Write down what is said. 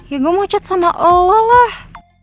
ya gue mau chat sama allah lah